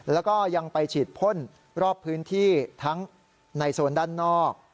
แล้วก็ยังไปฉีดพ่นรอบพื้นที่ทั้งในโซนด้านนอก